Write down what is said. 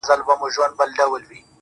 چي در رسېږم نه، نو څه وکړم ه ياره؟